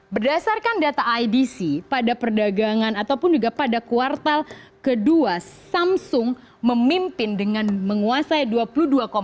berdasarkan data idc pada perdagangan ataupun juga pada kuartal kedua samsung memimpin dengan menguasai dua puluh dua